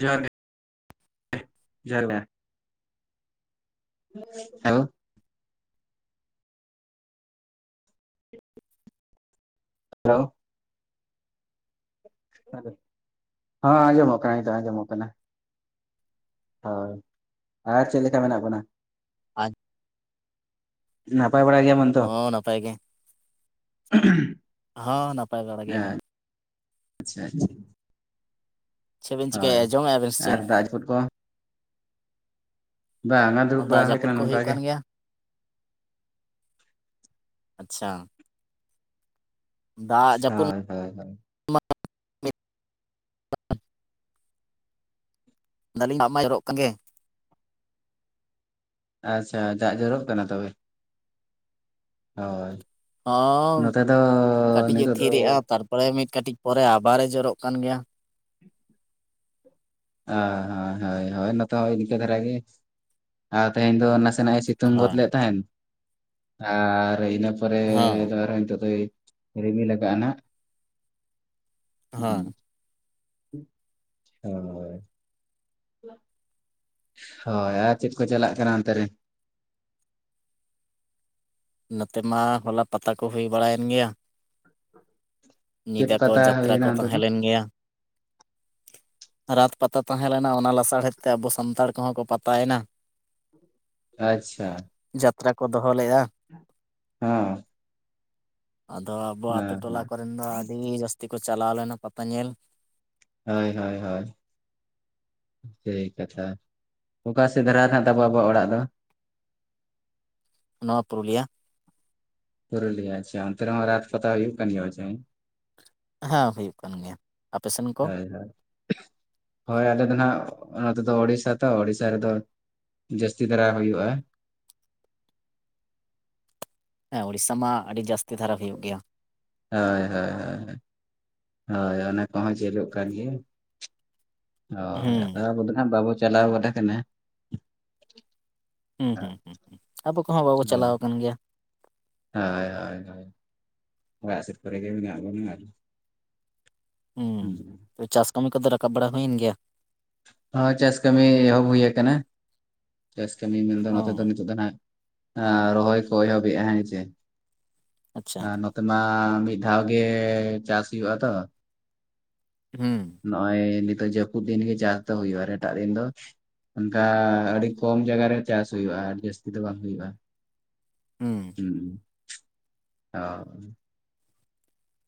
ᱡᱚᱦᱟᱨ ᱜᱮ [unintelligible] ᱦᱮᱞᱳ ᱦᱮᱸ ᱟᱡᱚᱢᱚᱜ ᱠᱟᱱᱟ ᱦᱤᱛᱚᱜ ᱟᱡᱚᱢᱟᱜ ᱠᱟᱱᱟ ᱦᱳᱭ ᱟᱨ ᱪᱮᱫ ᱞᱮᱠᱟ ᱢᱮᱱᱟᱜ ᱵᱮᱱᱟ? ᱟᱡ ᱱᱟᱯᱟᱭ ᱵᱟᱲᱟ ᱜᱮᱭᱟ ᱵᱚᱱ ᱚᱻ ᱱᱟᱯᱟᱭ ᱜᱮ [unintelligible] ᱦᱚᱸ ᱱᱟᱯᱟᱭ ᱵᱟᱲᱟ ᱜᱮᱭᱟ ᱞᱤᱧ᱾ ᱟᱪᱪᱷᱟ ᱟᱪᱪᱷᱟ ᱪᱮᱫ ᱵᱤᱱ ᱪᱤᱠᱟᱹᱭᱟ ᱡᱚᱢ ᱮᱜᱟ ᱵᱮᱱ ᱥᱤᱪᱤᱫ? ᱨᱤᱯᱚᱴ ᱠᱚ ᱵᱟᱝᱟ ᱫᱩᱲᱩᱵ ᱵᱟᱲᱟ ᱫᱟᱜ ᱦᱩᱭ ᱡᱟᱹᱯᱩᱫ ᱠᱟᱱᱟ ᱠᱚ ᱱᱚᱝᱠᱟ ᱦᱩᱭᱩᱜ ᱜᱮ ᱠᱟᱱ ᱜᱮᱭᱟ ᱟᱪᱪᱷᱟ᱾ ᱫᱟᱜ ᱡᱟᱹᱯᱩᱫ ᱦᱳᱭ ᱦᱳᱭ ᱦᱳᱭ ᱢᱟ ᱫᱟᱹᱞᱤᱧ ᱫᱟᱜ ᱢᱟ ᱡᱚᱨᱚᱜ ᱠᱟᱱ ᱜᱮ ᱟᱪᱪᱷᱟ ᱫᱟᱜ ᱡᱚᱨᱚᱜ ᱠᱟᱱᱟ ᱛᱚ ᱵᱮ? ᱦᱳᱭ ᱦᱚᱸ ᱱᱚᱛᱮ ᱫᱚ ᱠᱟᱹᱴᱤᱡ ᱮ ᱱᱤᱛᱚᱜ ᱫᱚ ᱛᱷᱤᱨ ᱮᱜᱼᱟ ᱛᱟᱨ ᱯᱚᱨᱮ ᱢᱤᱫ ᱠᱟᱹᱴᱤᱡ ᱯᱚᱨᱮ ᱟᱵᱟᱨ ᱮ ᱡᱚᱨᱚᱜ ᱠᱟᱱ ᱜᱮᱭᱟ᱾ ᱚ ᱦᱳᱭ ᱦᱳᱭ ᱦᱳᱭ ᱱᱚᱛᱮ ᱦᱚᱸ ᱤᱱᱠᱟᱹ ᱫᱷᱟᱨᱟ ᱜᱮ ᱟᱨ ᱛᱮᱦᱮᱧ ᱫᱚ ᱱᱟᱥᱮ ᱱᱟᱜ ᱥᱮ ᱥᱤᱛᱩᱝ ᱜᱚᱫ ᱦᱳᱭ ᱞᱮᱫ ᱛᱟᱦᱮᱱ ᱟᱨ ᱤᱱᱟ ᱯᱚᱨᱮ ᱦᱮᱸ ᱫᱚ ᱟᱨᱦᱚ ᱱᱤᱛᱚᱜ ᱫᱚ ᱨᱤᱢᱤᱞ ᱟᱠᱟ ᱱᱟᱜ ᱦᱳ ᱦᱳᱭ ᱦᱮᱞᱳ ᱦᱳᱭ ᱟᱨ ᱪᱮᱫ ᱠᱚ ᱪᱟᱞᱟᱜ ᱠᱟᱱᱟ ᱚᱱᱛᱮ ᱨᱮ? ᱱᱚᱛᱮ ᱢᱟ ᱦᱚᱞᱟ ᱯᱟᱛᱟ ᱠᱚ ᱦᱩᱭ ᱵᱟᱲᱟᱭᱮᱱ ᱜᱮᱭᱟ ᱪᱮᱫ ᱧᱤᱫᱟᱹ ᱠᱚ ᱯᱟᱛᱟ ᱦᱚᱭ ᱡᱟᱛᱨᱟ ᱠᱚ ᱮᱱᱟ ᱚᱱᱛᱮ ᱫᱚ? ᱛᱟᱦᱮᱸ ᱞᱮᱱ ᱜᱮᱭᱟ ᱨᱟᱛ ᱯᱟᱛᱟ ᱛᱟᱦᱮᱸ ᱞᱮᱱᱟ ᱚᱱᱟ ᱞᱟᱥᱟᱲ ᱦᱮᱫ ᱛᱮ ᱟᱵᱚ ᱥᱟᱱᱛᱟᱲ ᱠᱚᱦᱚᱸ ᱠᱚ ᱯᱟᱛᱟᱭᱮᱱᱟ ᱟᱪᱪᱷᱟ ᱡᱟᱛᱨᱟ ᱠᱚ ᱫᱚᱦᱚᱸ ᱞᱮᱜᱼᱟ ᱦᱚ ᱟᱫᱚ ᱟᱵᱚ ᱟᱛᱳ ᱴᱚᱞᱟ ᱦᱮᱸ ᱠᱚᱨᱮᱱ ᱫᱚ ᱟᱹᱰᱤ ᱡᱟᱹᱥᱛᱤ ᱠᱚ ᱪᱟᱞᱟᱣ ᱞᱮᱱᱟ ᱯᱟᱛᱟ ᱧᱮᱞ ᱦᱳᱭ ᱦᱳᱭ ᱦᱳᱭ ᱥᱟᱦᱤ ᱠᱟᱛᱷᱟ ᱚᱠᱟ ᱥᱮᱫ ᱫᱷᱟᱨᱟ ᱨᱮ ᱦᱟᱜ ᱛᱟᱵᱚ ᱟᱵᱚᱣᱟᱜ ᱚᱲᱟᱜ ᱫᱚ? ᱱᱚᱣᱟ ᱯᱩᱨᱩᱞᱤᱭᱟᱹ ᱯᱩᱨᱩᱞᱤᱭᱟ ᱟᱪᱷᱟ ᱚᱱᱛᱮ ᱨᱮᱦᱚᱸ ᱨᱟᱡ ᱯᱟᱛᱟ ᱦᱩᱭᱩᱜ ᱠᱟᱱ ᱜᱮᱭᱟ ᱵᱟᱪᱟᱧ ᱦᱮᱸ ᱦᱩᱭᱩᱜ ᱠᱟᱱ ᱜᱮᱭᱟ ᱟᱯᱮ ᱥᱮᱱ ᱠᱚ? ᱦᱳᱭ ᱦᱳᱭ ᱦᱳᱭ ᱟᱞᱮ ᱫᱚ ᱱᱟᱜ ᱱᱚᱛᱮ ᱫᱚ ᱳᱲᱤᱥᱥᱟ ᱛᱚ ᱳᱲᱤᱥᱥᱟ ᱨᱮᱫᱚ ᱡᱟᱹᱥᱛᱤ ᱫᱷᱟᱨᱟ ᱦᱩᱭᱩᱜᱼᱟ ᱦᱮᱸ ᱳᱲᱤᱥᱥᱟ ᱢᱟ ᱟᱹᱰᱤ ᱡᱟᱹᱥᱛᱤ ᱫᱷᱟᱨᱟ ᱦᱩᱭᱩᱜ ᱜᱮᱭᱟ᱾ ᱦᱳᱭ ᱦᱳᱭ ᱦᱳᱭ ᱦᱳᱭ ᱚᱱᱟ ᱠᱚᱦᱚᱸ ᱡᱳᱞᱚᱜ ᱠᱟᱱ ᱜᱮᱭᱟ ᱦᱳᱭ ᱟᱫᱚ ᱦᱩᱸ ᱟᱵᱚ ᱫᱚ ᱦᱟᱜ ᱵᱟᱵᱚᱱ ᱪᱟᱞᱟᱣ ᱜᱚᱫ ᱠᱟᱱᱟ ᱦᱩᱸ ᱦᱩᱸ ᱦᱩᱸ ᱦᱩᱸ ᱟᱵᱚ ᱠᱚᱦᱚᱸ ᱵᱟᱵᱚ ᱦᱳᱭ ᱪᱟᱞᱟᱣ ᱟᱠᱟᱱ ᱜᱮᱭᱟ᱾ ᱦᱳᱭ ᱦᱳᱭ ᱦᱳᱭ ᱚᱲᱟᱜ ᱥᱮᱫ ᱠᱚ ᱨᱮᱜᱮ ᱢᱮᱱᱟᱜ ᱵᱚᱱ ᱜᱮᱭᱟ ᱟᱨ ᱠᱤ᱾ ᱦᱩᱸ ᱛᱚᱵᱮ ᱪᱟᱥ ᱠᱟᱹᱢᱤ ᱠᱚᱫᱚ ᱨᱟᱠᱟᱵ ᱵᱟᱲᱟ ᱦᱩᱭᱮᱱ ᱜᱮᱭᱟ? ᱦᱚ ᱪᱟᱥ ᱠᱟᱹᱢᱤ ᱮᱦᱚᱵ ᱦᱩᱭᱟᱠᱟᱱᱟ ᱪᱟᱥ ᱠᱟᱹᱢᱤ ᱢᱮᱱᱫᱚ ᱚ ᱱᱚᱛᱮ ᱫᱚ ᱱᱤᱛᱚᱜ ᱫᱚ ᱱᱟᱜ ᱟᱻ ᱨᱚᱦᱚᱭ ᱠᱚ ᱮᱦᱚᱵ ᱮᱟ ᱦᱮᱪᱮ ᱟᱪᱪᱷᱟ ᱟᱨ ᱱᱚ ᱛᱮᱢᱟ ᱢᱤᱫ ᱫᱷᱟᱣ ᱜᱮ ᱪᱟᱥ ᱦᱩᱭᱩᱜ-ᱟ ᱛᱚ ᱦᱩᱸ᱾ ᱱᱚᱜ-ᱚᱭ ᱱᱤᱛᱚᱜ ᱡᱟᱯᱩᱫ ᱫᱤᱱ ᱜᱮ ᱪᱟᱥ ᱫᱚ ᱦᱩᱭᱩᱜ-ᱟ ᱟᱨ ᱮᱴᱟᱠ ᱫᱤᱱ ᱫᱚ? ᱚᱱᱠᱟ ᱟᱹᱰᱤ ᱠᱚᱢ ᱡᱟᱭᱜᱟ ᱨᱮ ᱪᱟᱥ ᱦᱩᱭᱩᱜ-ᱟ ᱟᱹᱰᱤ ᱡᱟᱹᱥᱛᱤ ᱫᱚ ᱵᱟᱝ ᱦᱩᱭᱩᱜ-ᱟ᱾ ᱦᱩᱸ᱾ ᱦᱩᱸ ᱚ᱾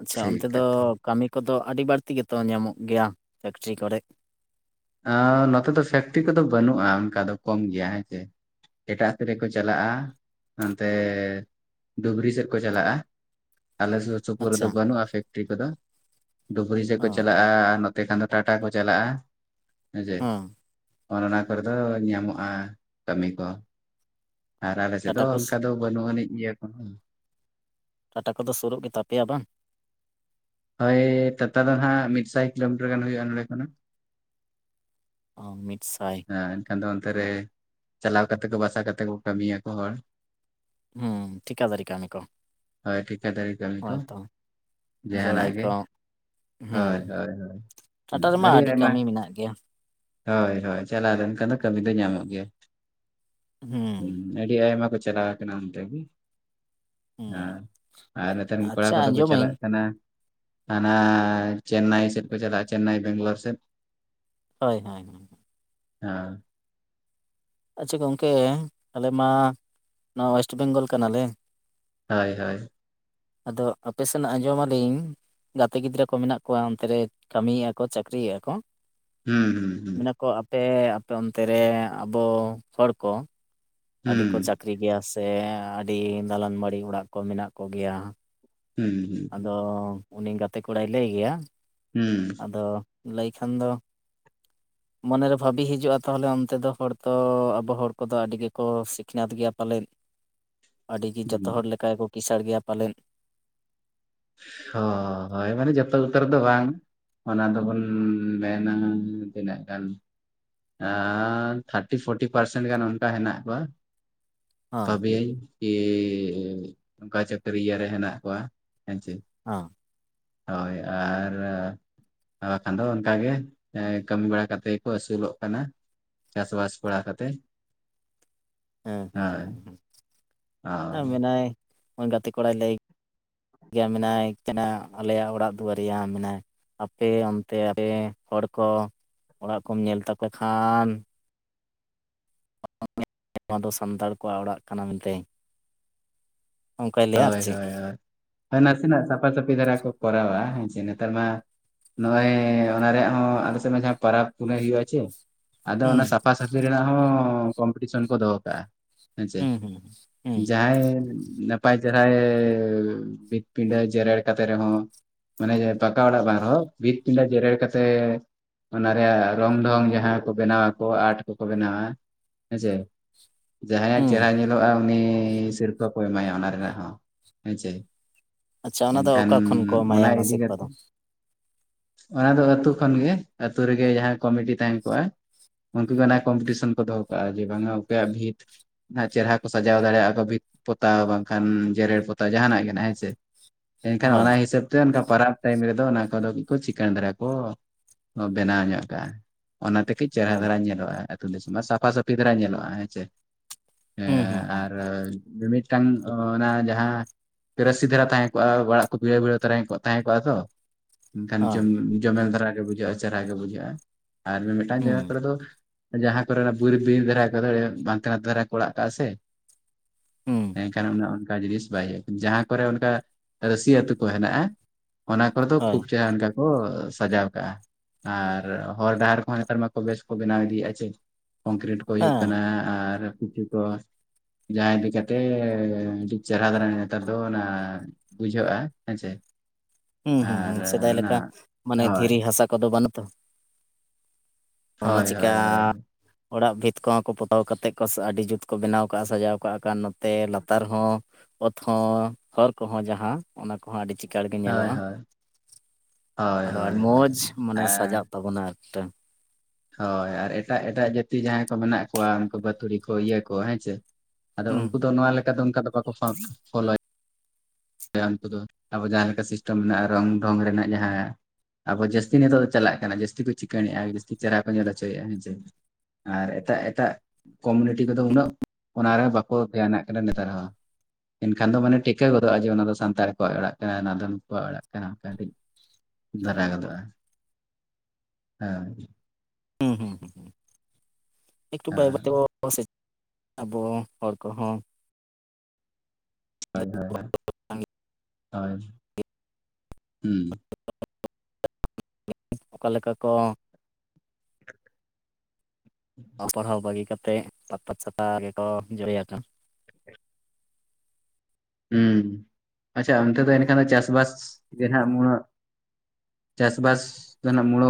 ᱟᱪᱪᱷᱟ ᱴᱷᱤᱠ ᱚᱱᱛᱮ ᱫᱚ ᱠᱟᱛᱷᱟ ᱠᱟᱹᱢᱤ ᱠᱚᱫᱚ ᱟᱹᱰᱤ ᱵᱟᱹᱲᱛᱤ ᱜᱮᱛᱚ ᱧᱟᱢᱚᱜ ᱜᱮᱭᱟ ᱯᱷᱮᱠᱴᱨᱤ ᱠᱚᱨᱮ? ᱟᱻ ᱱᱚᱛᱮ ᱫᱚ ᱥᱮᱯᱴᱤ ᱠᱚᱫᱚ ᱵᱟᱹᱱᱩᱜ-ᱟ ᱚᱱᱠᱟ ᱫᱚ ᱠᱚᱢ ᱜᱮᱭᱟ ᱦᱮᱸ ᱥᱮ᱾ ᱮᱴᱟᱜ ᱟᱹᱛᱩ ᱨᱮᱠᱚ ᱪᱟᱞᱟᱜ-ᱟ ᱚᱱᱛᱮ ᱰᱩᱵᱽᱨᱤ ᱥᱮᱫ ᱠᱚ ᱪᱟᱞᱟᱜ-ᱟ᱾ ᱟᱞᱮ ᱥᱩᱨ ᱥᱩᱯᱩᱨ ᱟᱪᱪᱷᱟ ᱨᱮᱫᱚ ᱵᱟᱹᱱᱩᱜ-ᱟ ᱯᱷᱮᱠᱴᱨᱤ ᱠᱚᱫᱚ, ᱰᱩᱵᱽᱨᱤ ᱥᱮᱜ ᱚ ᱠᱚ ᱪᱟᱞᱟᱜ-ᱟ ᱱᱚᱛ ᱛᱮᱠᱷᱟᱱ ᱫᱚ ᱴᱟᱴᱟ ᱠᱚ ᱪᱟᱞᱟᱜ-ᱟ᱾ ᱦᱮᱸ ᱥᱮ ᱚᱱ ᱚᱱᱟ ᱠᱚᱨᱮ ᱫᱚ ᱧᱟᱢᱚᱜ-ᱟ ᱠᱟᱹᱢᱤ ᱠᱚ᱾ ᱟᱨ ᱟᱞᱮ ᱥᱮᱫ ᱫᱚ ᱴᱟᱴᱟ ᱠᱚ ᱚᱱᱠᱟ ᱫᱚ ᱵᱟᱹᱱᱩᱜ ᱟᱹᱱᱤᱡ ᱜᱮᱭᱟ ᱛᱚ᱾ ᱴᱟᱴᱟ ᱠᱚᱫᱚ ᱥᱩᱨᱩᱜ ᱜᱮᱛᱟ ᱯᱮᱭᱟ ᱵᱟᱝ? ᱦᱳᱭ ᱴᱟᱴᱟ ᱫᱚ ᱦᱟᱜ ᱢᱤᱫᱥᱟᱭ ᱠᱤᱞᱳᱢᱤᱴᱟᱨ ᱜᱟᱱ ᱦᱩᱭᱩᱜ-ᱟ ᱱᱚᱰᱮ ᱠᱷᱚᱱᱟᱜ᱾ ᱚ ᱢᱤᱫ ᱥᱟᱭ ᱦᱮᱸ ᱮᱱᱠᱷᱟᱱ ᱫᱚ ᱚᱱᱛᱮ ᱨᱮ ᱪᱟᱞᱟᱣ ᱠᱟᱛᱮ ᱠᱚ ᱵᱟᱥᱟ ᱠᱟᱛᱮ ᱠᱚ ᱠᱟᱹᱢᱤᱭᱟᱠᱚ ᱦᱚᱲ᱾ ᱦᱩᱸ ᱴᱷᱤᱠᱟᱹ ᱫᱟᱨᱮ ᱠᱟᱹᱢᱤ ᱠᱚ, ᱦᱳᱭ ᱴᱷᱤᱠᱟᱹᱫᱟᱨᱤ ᱠᱟᱹᱢᱤ ᱠᱚ ᱦᱳᱭᱛᱚ᱾ ᱡᱟᱦᱟᱱᱟᱜ ᱡᱚᱲᱟᱭ ᱜᱮ ᱠᱚᱢ᱾ ᱦᱩᱸ ᱦᱳᱭ ᱦᱳᱭ ᱴᱟᱴᱟ ᱨᱮᱢᱟ ᱟᱹᱰᱤ ᱠᱟᱹᱢᱤ ᱢᱮᱱᱟᱜ ᱜᱮᱭᱟ᱾ ᱦᱳᱭ ᱦᱳᱭ ᱪᱟᱞᱟᱣ ᱞᱮᱱ ᱠᱷᱟᱱ ᱫᱚ ᱠᱟᱹᱢᱤ ᱫᱚ ᱧᱟᱢᱚᱜ ᱜᱮᱭᱟ᱾ ᱦᱩᱸ ᱟᱹᱰᱤ ᱟᱭᱢᱟ ᱠᱚ ᱪᱟᱞᱟᱣ ᱠᱟᱱᱟ ᱚᱱᱛᱮ᱾ ᱟᱸ ᱦᱩᱸ ᱟᱨ ᱱᱮᱛᱟᱨ ᱨᱮᱱ ᱠᱚᱲᱟ ᱟᱪᱪᱷᱟ ᱠᱚᱫᱚ ᱠᱚ ᱪᱟᱞᱟᱜ ᱟᱸᱡᱚᱢᱟᱹᱧ ᱠᱟᱱᱟ ᱦᱟᱱᱟ ᱪᱮᱱᱟᱭ ᱥᱮᱜ ᱠᱚ ᱪᱟᱞᱟᱜ-ᱟ ᱪᱮᱱᱱᱟᱭ ᱵᱮᱝᱞᱩᱨ ᱥᱮᱫ᱾ ᱦᱳᱭ ᱦᱳᱭ᱾ ᱦᱮᱸ᱾ ᱟᱪᱪᱷᱟ ᱜᱚᱝᱠᱮ ᱟᱞᱮ ᱢᱟ ᱱᱚᱣᱟ ᱚᱭᱮᱥᱴ ᱵᱮᱝᱜᱚᱞ ᱠᱟᱱᱟᱞᱮ᱾ ᱦᱳᱭ ᱦᱳᱭ᱾ ᱟᱫᱚ ᱟᱯᱮ ᱥᱮᱱᱟᱜ ᱟᱸᱡᱚᱢ ᱟᱞᱤᱧ ᱜᱟᱛᱮ ᱜᱤᱫᱽᱨᱟᱹ ᱠᱚ ᱢᱮᱱᱟᱜ ᱠᱚᱣᱟ ᱚᱱᱛᱮ ᱨᱮ ᱠᱟᱹᱢᱤᱭᱮᱜ-ᱟ ᱠᱚ ᱪᱟᱹᱠᱨᱤᱭᱮᱜ-ᱟ ᱠᱚ᱾ ᱦᱩᱸ ᱦᱩᱸ ᱦᱩᱸ᱾ ᱢᱮᱱᱟ ᱠᱚ ᱟᱯᱮ ᱟᱯᱮ ᱚᱱᱛᱮ ᱨᱮ ᱟᱵᱚ ᱦᱚᱲ ᱠᱚ ᱟᱹᱰᱤ ᱦᱩᱸ ᱠᱚ ᱪᱟᱹᱠᱨᱤ ᱜᱮᱭᱟ ᱥᱮ ᱟᱹᱰᱤ ᱫᱟᱞᱟᱱ ᱵᱟᱲᱤ ᱚᱲᱟᱜ ᱠᱚ ᱢᱮᱱᱟᱜ ᱠᱚᱜᱮᱭᱟ᱾ ᱦᱩᱸ ᱟᱫᱚ ᱦᱩᱸ ᱩᱱᱤ ᱜᱟᱛᱮ ᱠᱚᱲᱟᱭ ᱞᱟᱹᱭ ᱜᱮᱭᱟ᱾ ᱦᱩᱸ᱾ ᱟᱫᱚ ᱞᱟᱹᱭ ᱠᱷᱟᱱ ᱫᱚ ᱢᱚᱱᱮᱨᱮ ᱵᱷᱟᱵᱤ ᱦᱤᱡᱩᱜ-ᱟ ᱛᱟᱦᱚᱞᱮ ᱚᱱᱛᱮ ᱫᱚ ᱦᱚᱲ ᱛᱚ ᱟᱵᱚ ᱦᱚᱲ ᱠᱚᱫᱚ ᱟᱹᱰᱤ ᱜᱮ ᱠᱚ ᱥᱤᱠᱷᱱᱟᱹᱛ ᱜᱮᱭᱟ ᱯᱟᱞᱮᱜ ᱟᱹᱰᱤᱜᱤ ᱡᱚᱛᱚ ᱦᱩᱸ ᱦᱚᱲ ᱞᱮᱠᱟ ᱜᱮᱠᱚ ᱠᱤᱥᱟᱹᱬ ᱜᱮᱭᱟ ᱯᱟᱞᱮᱱ? ᱦᱚ ᱦᱳᱭ ᱢᱟᱱᱮ ᱡᱚᱛᱚ ᱩᱛᱟᱹᱨ ᱫᱚ ᱵᱟᱝ᱾ ᱚᱱᱟ ᱫᱚᱵᱚᱱ ᱢᱮᱱᱟ ᱛᱤᱱᱟᱹᱜ ᱜᱟᱱ? ᱦᱮ ᱛᱷᱟᱴᱤ ᱯᱷᱳᱴᱤ ᱯᱟᱨᱥᱮᱱ ᱜᱟᱱ ᱚᱱᱠᱟ ᱦᱮᱱᱟᱜ ᱠᱚᱣᱟ᱾ ᱦᱚᱸ ᱛᱚᱵᱮᱭᱟᱹᱧ ᱠᱤ ᱚᱱᱠᱟ ᱪᱟᱹᱠᱨᱤ ᱤᱭᱟᱹ ᱨᱮ ᱦᱮᱱᱟᱜ ᱠᱚᱣᱟ ᱦᱮᱸ ᱪᱮ᱾ ᱦᱚ᱾ ᱦᱳᱭ ᱟᱨ ᱟᱨ ᱵᱟᱠᱷᱟᱱ ᱫᱚ ᱚᱱᱠᱟ ᱜᱮ ᱠᱟᱹᱢᱤ ᱵᱟᱲᱟ ᱠᱟᱛᱮᱜ ᱜᱮᱠᱚ ᱟᱹᱥᱩᱞᱚᱜ ᱠᱟᱱᱟ᱾ ᱪᱟᱥ ᱵᱟᱥ ᱠᱚᱲᱟ ᱠᱟᱛᱮᱜ᱾ ᱦᱮᱸ ᱦᱮᱸ ᱦᱳᱭ ᱦᱸᱮᱸ ᱢᱮᱱᱟᱭᱜᱼᱚᱭ ᱜᱟᱛᱮ ᱠᱚᱲᱟᱭ ᱞᱟᱹᱭ ᱜᱮ ᱪᱮᱱᱱᱟᱭ ᱠᱟᱱᱟ ᱟᱞᱮᱭᱟᱜ ᱚᱲᱟᱜ ᱫᱩᱣᱟᱹᱨ ᱨᱮᱭᱟᱜ ᱢᱮᱱᱟᱭ᱾ ᱦᱟᱯᱮ ᱚᱱᱛᱮ ᱟᱯᱮ ᱠᱚ ᱚᱲᱟᱜ ᱠᱚᱢ ᱧᱮᱞ ᱛᱟᱯᱮ ᱠᱷᱟᱱ? ᱱᱚᱣᱟ ᱫᱚ ᱥᱟᱱᱛᱟᱲ ᱠᱚᱣᱟᱜ ᱚᱲᱟᱜ ᱠᱟᱱᱟ ᱢᱮᱱᱛᱮ᱾ ᱚᱱᱠᱟᱭ ᱞᱟᱹᱭᱟ ᱟᱨ ᱦᱳᱭ ᱪᱮᱫ ᱦᱳᱭ ᱦᱳᱭ ᱱᱟᱥᱮᱱᱟᱜ ᱥᱟᱯᱷᱟ ᱥᱟᱹᱯᱷᱤ ᱫᱷᱟᱨᱟ ᱠᱚ ᱠᱚᱨᱟᱣᱟ ᱦᱮᱸ ᱪᱮ ᱱᱮᱛᱟᱨ ᱢᱟ᱾ ᱱᱚᱜᱼᱚᱭ ᱚᱱᱟ ᱨᱮᱭᱟᱜ ᱦᱚ ᱟᱞᱮ ᱥᱮᱫ ᱢᱟ ᱡᱟᱦᱟᱸ ᱯᱟᱨᱟᱵᱽ ᱯᱩᱱᱟᱹᱭ ᱦᱩᱭᱩᱜ ᱟ ᱪᱮ᱾ ᱟᱫᱚ ᱦᱩᱸ ᱚᱱᱟ ᱥᱟᱯᱷᱟ ᱥᱟᱹᱯᱷᱤ ᱨᱮᱱᱟᱜ ᱦᱚᱸ ᱠᱚᱢᱯᱤᱴᱤᱥᱚᱱ ᱠᱚ ᱫᱚᱦᱚ ᱠᱟᱜᱼᱟ᱾ ᱦᱮ ᱪᱮ ᱦᱩᱸ ᱦᱩᱸ ᱦᱩᱸ ᱡᱟᱦᱟᱭ᱾ ᱱᱟᱯᱟᱭ ᱪᱮᱦᱟᱭ ᱵᱷᱤᱛ ᱯᱤᱰᱟᱹ ᱡᱮᱨᱮᱲ ᱠᱟᱛᱮ ᱨᱮᱦᱚᱸ, ᱢᱟᱱᱮ ᱯᱟᱠᱟ ᱚᱲᱟ ᱵᱟᱝ ᱨᱮᱦ ᱵᱷᱤᱛ ᱯᱤᱰᱟ ᱡᱮᱨᱮᱲ ᱠᱟᱛᱮ, ᱚᱱᱟ ᱨᱮᱭᱟᱜ ᱨᱚᱝ ᱰᱷᱚᱝ ᱡᱟᱦᱟᱸ ᱠᱚ ᱵᱮᱱᱟᱣᱟ ᱟᱨᱴ ᱠᱚᱠᱚ ᱵᱮᱱᱟᱣᱟ ᱦᱮᱸᱥᱮ᱾ ᱡᱟᱦᱟᱸᱭᱟᱜ ᱦᱩᱸ ᱪᱮᱨᱦᱨᱟ ᱧᱮᱞᱚᱜᱼᱟ ᱩᱱᱤ ᱥᱤᱨᱯᱟᱹ ᱠᱚ ᱮᱢᱟᱭᱟ ᱚᱱᱟ ᱨᱮᱱᱟᱜ ᱦᱚᱸ ᱦᱮᱸ ᱪᱮ᱾ ᱟᱪᱪᱷᱟ ᱚᱱᱟ ᱫᱚ ᱮᱱᱠᱷᱟᱱ ᱚᱠᱟ ᱠᱷᱚᱱ ᱠᱚ ᱮᱢᱟᱭᱟ ᱚᱱᱟ ᱤᱫᱤ ᱥᱤᱨᱯᱟᱹ ᱠᱟᱛᱮᱫ᱾ ᱫᱚ ᱚᱱᱟ ᱫᱚ ᱟᱹᱛᱩ ᱠᱷᱚᱱ ᱜᱮ ᱟᱹᱛᱩᱳ ᱨᱮᱜᱮ ᱡᱟᱦᱟᱸ ᱠᱚᱢᱤᱴᱤ ᱛᱟᱦᱮᱸ ᱠᱚᱜᱼᱟ᱾ ᱩᱱᱠᱩ ᱜᱮ ᱚᱱᱟ ᱠᱚᱢᱯᱤᱴᱤᱥᱚᱱ ᱠᱚ ᱫᱚᱦᱚ ᱠᱟᱜᱼᱟ ᱡᱮ ᱵᱟᱝᱟ ᱚᱠᱚᱭᱟᱜ ᱵᱷᱤᱛ ᱚᱱᱟ ᱪᱮᱦᱨᱟ ᱠᱚ ᱥᱟᱡᱟᱣ ᱫᱟᱲᱮᱭᱟᱜᱼᱟ ᱵᱷᱤᱛ ᱯᱚᱛᱟᱣ ᱵᱟᱝ᱾ ᱠᱷᱟᱱ ᱡᱮᱨᱮᱲ ᱯᱚᱛᱟᱣ ᱡᱟᱦᱟᱱᱟᱜ ᱜᱮ ᱦᱮᱸ ᱥᱮ ᱮᱱᱠᱷᱟᱱ ᱦᱳᱭ ᱚᱱᱟ ᱦᱤᱥᱟᱹᱵᱽ ᱚᱱᱠᱟ ᱯᱟᱨᱟᱵᱽ ᱴᱟᱭᱤᱢ ᱨᱮᱫᱚ ᱚᱱᱟ ᱠᱚᱫᱚ ᱪᱤᱠᱟᱲ ᱫᱷᱟᱨᱟ ᱠᱚ ᱵᱮᱱᱟᱣ ᱧᱚᱜ ᱠᱟᱜᱼᱟ᱾ ᱚᱱᱟᱛᱮ ᱠᱤ ᱪᱮᱦᱨᱟ ᱦᱳᱭ ᱫᱷᱟᱨᱟ ᱧᱮᱞᱚᱜᱼᱟ ᱟᱹᱛᱩ ᱫᱤᱥᱚᱢ ᱟᱨ ᱥᱟᱯᱷᱟ ᱥᱟᱹᱯᱷᱤ ᱫᱷᱟᱨᱟ ᱧᱮᱞᱚᱜᱼᱟ ᱦᱮᱸᱥᱮ ᱪᱮ᱾ ᱦᱩᱸ ᱦᱩᱸ᱾ ᱢᱤᱫ ᱢᱤᱫᱴᱟᱝ᱾ ᱚᱱᱟ ᱡᱟᱦᱟᱸ ᱯᱮᱨᱟᱥᱤ ᱫᱷᱟᱨᱟ ᱛᱟᱦᱮᱸ ᱠᱚᱜᱼᱟ ᱚᱲᱟᱜ ᱠᱚ ᱵᱷᱤᱲᱟᱹ ᱵᱷᱤᱲᱟᱹ ᱛᱟᱦᱮᱸ ᱠᱚᱜᱼᱟ ᱛᱚ᱾ ᱢᱮᱱᱠᱷᱟᱱ ᱦᱳᱭ ᱡᱚᱢ ᱡᱚᱢᱮᱞ ᱪᱮᱦᱨᱟ ᱜᱮ ᱵᱩᱡᱷᱟᱹᱜᱼᱟ᱾ ᱟᱨ ᱢᱤᱢᱤᱫᱴᱟᱱ ᱡᱟᱭᱜᱟ ᱦᱩᱸ ᱠᱚᱨᱮ ᱫᱚ᱾ ᱡᱟᱦᱟᱸ ᱠᱚᱨᱮ ᱚᱱᱟ ᱵᱤᱨ ᱵᱤᱨ ᱫᱷᱟᱨᱟ ᱠᱚᱫᱚ ᱵᱟᱝᱟᱱᱛᱮ ᱱᱟ ᱫᱷᱟᱨᱟ ᱠᱚ ᱚᱲᱟᱜ ᱠᱟᱜᱼᱟ ᱥᱮ᱾ ᱦᱩᱸ᱾ ᱮᱱᱠᱷᱟᱱ ᱚᱱᱠᱟ ᱡᱤᱱᱤᱥ ᱵᱟᱭ ᱦᱩᱭᱩᱜᱼᱟ ᱡᱟᱦᱟᱸ ᱠᱚᱨᱮ ᱚᱱᱠᱟ ᱨᱟᱹᱥᱥᱤᱟᱹ ᱟᱹᱛᱩ ᱠᱚ ᱦᱮᱱᱟᱜᱼᱟ᱾ ᱚᱱᱟ ᱫᱚ ᱦᱳᱭ ᱠᱷᱩᱵ ᱪᱮᱦᱨᱟ ᱠᱚ ᱥᱟᱡᱟᱣ ᱠᱟᱜᱼᱟ᱾ ᱟᱨ ᱦᱚᱨ ᱰᱟᱦᱟᱨ ᱠᱚᱦᱚᱸ ᱱᱮᱛᱟᱨ ᱢᱟ ᱵᱮᱥ ᱠᱚ ᱵᱮᱱᱟᱣ ᱤᱫᱤᱭᱮᱫᱼᱟ ᱪᱮ ᱠᱚᱝᱠᱨᱤᱴ ᱦᱩᱭᱩᱜ ᱦᱮᱸ ᱠᱟᱱᱟ ᱟᱨ ᱠᱤᱪᱷᱩ ᱠᱚ ᱡᱟᱦᱟᱸ ᱞᱮᱠᱟᱛᱮ ᱟᱹᱰᱤ ᱪᱮᱦᱨᱟ ᱫᱟᱨᱟ ᱱᱮᱛᱟᱨ ᱫᱚ ᱚᱱᱟ ᱵᱩᱡᱷᱟᱹᱜᱼᱟ ᱦᱮᱸᱥᱮ᱾ ᱦᱩᱸ ᱦᱩᱸ ᱟᱨ ᱦᱩᱸ ᱥᱮᱫᱟᱭ ᱚᱱᱟ ᱞᱮᱠᱟ ᱢᱟᱱᱮ ᱦᱳᱭ ᱫᱷᱤᱨᱤ ᱦᱟᱥᱟ ᱠᱚᱫᱚ ᱵᱟᱹᱱᱩᱜ ᱛᱚ, ᱚᱱᱟ ᱦᱳᱭ ᱪᱤᱠᱟ? ᱦᱳᱭ ᱦᱳᱭ ᱚᱲᱟᱜ ᱵᱷᱤᱛ ᱠᱚᱦᱚᱸ ᱠᱚ ᱯᱚᱛᱟᱣ ᱠᱟᱛᱮᱫ ᱠᱚ ᱟᱹᱰᱤ ᱡᱩᱛ ᱠᱚ ᱵᱮᱱᱟᱣ ᱠᱟᱜᱼᱟ ᱥᱟᱡᱟᱣ ᱠᱟᱜᱼᱟ ᱱᱚᱛᱮ ᱞᱟᱛᱟᱨ ᱦᱚᱸ᱾ ᱚᱛᱦᱚᱸ ᱦᱚᱨ ᱠᱚᱦᱚᱸ ᱡᱟᱦᱟᱸ ᱚᱱᱟ ᱠᱚᱦᱚᱸ ᱟᱹᱰᱤ ᱪᱤᱠ ᱮᱠᱟᱬ ᱜᱮ ᱦᱳᱭ ᱧᱮᱞᱚᱜᱼᱟ ᱦᱳᱭ ᱦᱳᱭ ᱟᱫᱚ ᱦᱳᱭ ᱟᱹᱰᱤ ᱦᱳᱭ ᱢᱚᱡᱽ ᱢᱟᱱᱮ ᱟᱨ ᱥᱟᱡᱟᱜ ᱛᱟᱵᱚᱱᱟ ᱮᱠᱴᱟ᱾ ᱦᱳᱭ ᱟᱨ ᱮᱴᱟᱜ ᱮᱴᱟᱜ ᱡᱟᱹᱛᱤ ᱡᱟᱦᱟᱸᱭ ᱠᱚ ᱢᱮᱱᱟᱜ ᱠᱚᱣᱟ ᱩᱱᱠᱩ ᱵᱟᱹᱛᱷᱩᱲᱤ ᱠᱚ ᱤᱭᱟᱹ ᱠᱚ ᱦᱮᱸ ᱥᱮ᱾ ᱟᱫᱚ ᱦᱩᱸ ᱩᱱᱠᱩ ᱫᱚ ᱱᱚᱶᱟ ᱞᱮᱠᱟ ᱫᱚ ᱚᱱᱠᱟ ᱫᱚ ᱵᱟᱠᱚ ᱯᱷᱚᱞᱳ ᱩᱱᱠᱩ ᱫᱚ ᱟᱵᱚ ᱡᱟᱦᱟᱸ ᱞᱮᱠᱟ ᱥᱤᱥᱴᱮᱢ ᱢᱮᱱᱟᱜᱼᱟ ᱨᱚᱝ ᱰᱷᱚᱝ ᱨᱮᱱᱟᱜ ᱡᱟᱦᱟᱸ᱾ ᱟᱵᱚ ᱡᱟᱹᱥᱛᱤ ᱱᱤᱛᱚᱜ ᱫᱚ ᱪᱟᱞᱟᱜ ᱠᱟᱱᱟ ᱡᱟᱹᱥᱛᱤ ᱠᱚ ᱪᱤᱠᱟᱹᱲᱬᱮᱫᱼᱟ ᱡᱟᱹᱥᱛᱤ ᱪᱮᱦᱨᱟ ᱠᱚ ᱧᱮᱞ ᱦᱚᱪᱚᱭᱮᱫᱼᱟ ᱦᱮᱸᱥᱮ᱾ ᱟᱨ ᱮᱴᱟᱜ ᱮᱴᱟᱜ ᱠᱚᱢᱩᱱᱤᱴᱤ ᱠᱚᱫᱚ ᱩᱱᱟᱹᱜ ᱚᱱᱟᱨᱮ ᱵᱟᱠᱚ ᱫᱷᱮᱭᱟᱱᱟᱜ ᱠᱟᱱᱟ ᱱᱮᱛᱟᱨ ᱦᱚᱸ ᱮᱱᱠᱷᱟᱱ ᱫᱚ ᱢᱟᱱᱮ ᱴᱷᱤᱠᱟᱹᱚᱫ ᱱᱤᱛ ᱡᱮ ᱚᱱᱟ ᱫᱚ ᱥᱟᱱᱛᱟᱲ ᱠᱚᱣᱟᱜ ᱚᱲᱟᱜ ᱠᱟᱱᱟ ᱚᱱᱟ ᱫᱚ ᱱᱩᱠᱩᱣᱟᱜ ᱚᱲᱟᱜ ᱠᱟᱱᱟ ᱠᱟᱴᱤᱡ᱾ ᱫᱷᱟᱨᱟ ᱜᱚᱫᱚᱜᱼᱟ ᱦᱮᱸ, ᱦᱩᱸ ᱦᱩᱸ ᱦᱩᱸ ᱦᱩ ᱮᱴᱩ ᱦᱳᱭ ᱚᱠᱟᱥᱮᱪ ᱟᱵᱚ ᱦᱚᱲ ᱠᱚᱦᱚᱸ᱾ ᱦᱳᱭ ᱦᱳᱭ ᱦᱳᱭ ᱟᱡ ᱦᱩᱸ ᱚᱠᱟᱮᱠᱟ ᱠᱚ ᱚᱞ ᱯᱟᱲᱦᱟᱣ ᱵᱟᱹᱜᱤ ᱠᱟ ᱠᱟᱛᱮᱫ ᱞᱟᱯᱛ ᱪᱷᱟᱛᱟ ᱜᱮᱠᱚ ᱡᱟᱹᱲᱮᱭᱟᱠᱚ᱾ ᱦᱩᱸ ᱟᱪᱪᱷᱟ ᱚᱱᱛᱮ ᱫᱚ ᱮᱱᱠᱷᱟᱱ ᱫᱚ ᱪᱟᱥᱵᱟᱥ ᱜᱮᱦᱟᱜ ᱩᱱᱟᱹᱜ ᱪᱟᱥ ᱵᱟᱥ ᱨᱮᱱᱟᱜ ᱢᱩᱲᱚ